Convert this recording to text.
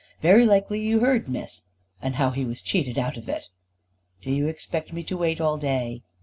Very likely you heard, Miss And how he was cheated out of it." "Do you expect me to wait all day?"